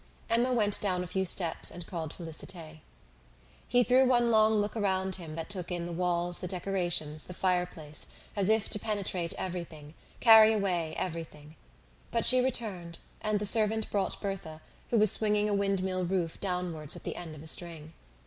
Emma went down a few steps and called Félicité. He threw one long look around him that took in the walls, the decorations, the fireplace, as if to penetrate everything, carry away everything. But she returned, and the servant brought Berthe, who was swinging a windmill roof downwards at the end of a string.